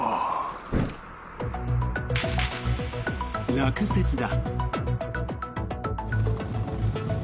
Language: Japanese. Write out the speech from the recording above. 落雪だ。